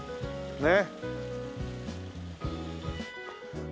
ねえ。